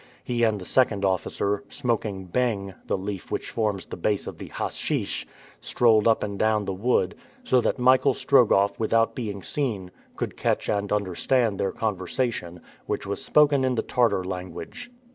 He and the second officer, smoking "beng," the leaf which forms the base of the "haschisch," strolled up and down the wood, so that Michael Strogoff without being seen, could catch and understand their conversation, which was spoken in the Tartar language.